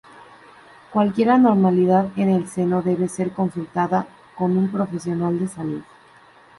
Cualquier anormalidad en el seno debe ser consultada con un profesional de salud.